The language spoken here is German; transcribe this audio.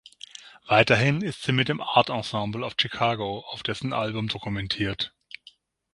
Weiterhin ist sie mit dem Art Ensemble of Chicago auf dessen Album dokumentiert.